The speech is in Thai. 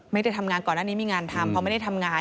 ไม่ได้ทำงานก่อนหน้านี้มีงานทำเพราะไม่ได้ทำงาน